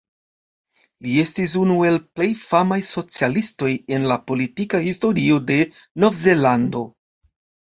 Li estis unu el plej famaj socialistoj en la politika historio de Novzelando.